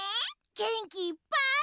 げんきいっぱい。